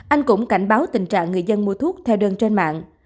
anh cũng cảnh báo tình trạng người dân mua thuốc theo đơn trên mạng